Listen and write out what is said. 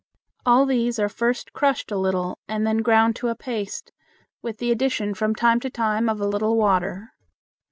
All these are first crushed a little and then ground to a paste, with the addition from time to time of a little water.